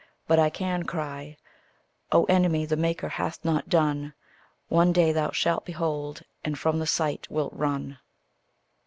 But I can cry "O enemy, the maker hath not done; One day thou shalt behold, and from the sight wilt run."